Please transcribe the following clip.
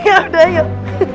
ya udah yuk